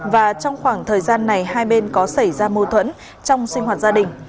và trong khoảng thời gian này hai bên có xảy ra mâu thuẫn trong sinh hoạt gia đình